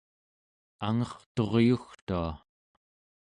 angerturyugtua